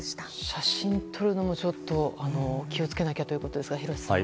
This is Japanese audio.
写真撮るのも気をつけなきゃということですが廣瀬さん。